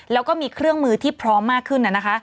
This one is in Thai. แล้วก็มีเครื่องมือที่พร้อมมากขึ้น